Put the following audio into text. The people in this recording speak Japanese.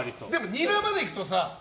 ニラまで行くとさ